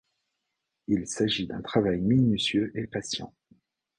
Il s'agit d'un travail minutieux et patient.